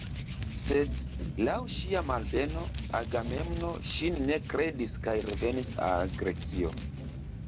Sed laŭ ŝia malbeno Agamemno ŝin ne kredis kaj revenis al Grekio.